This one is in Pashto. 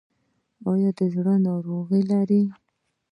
ایا د زړه ناروغي لرئ؟